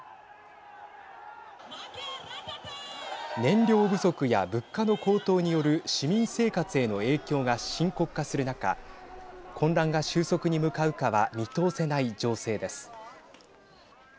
燃料不足や物価の高騰による市民生活への影響が深刻化する中混乱が収束に向かうかは見通せない情勢です。